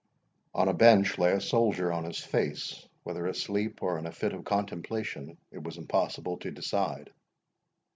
On a bench lay a soldier on his face: whether asleep, or in a fit of contemplation, it was impossible to decide.